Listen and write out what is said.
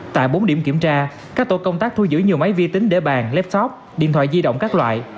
tại bốn điểm kiểm tra các tổ công tác thu giữ nhiều máy vi tính để bàn lapsop điện thoại di động các loại